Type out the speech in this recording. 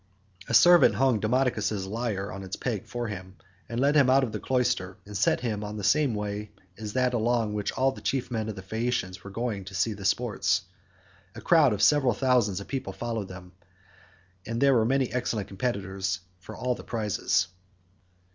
A servant hung Demodocus's lyre on its peg for him, led him out of the cloister, and set him on the same way as that along which all the chief men of the Phaeacians were going to see the sports; a crowd of several thousands of people followed them, and there were many excellent competitors for all the prizes.